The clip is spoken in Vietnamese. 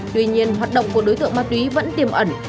tuy nhiên hoạt động của đối tượng ma túy vẫn tiềm ẩn